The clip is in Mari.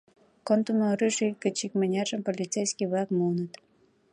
Кондымо оружий гыч икмыняржым полицейский-влак муыныт.